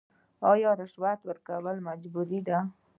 آیا رشوت ورکول مجبوري ده؟